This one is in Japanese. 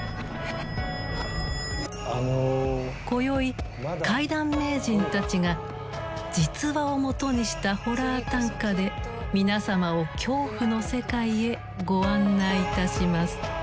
今宵怪談名人たちが実話をもとにしたホラー短歌で皆様を恐怖の世界へご案内いたします。